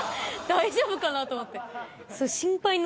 大丈夫かなと思って。